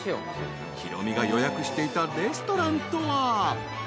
［ヒロミが予約していたレストランとは］